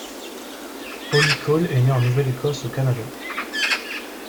Holly Cole est née en Nouvelle-Écosse au Canada.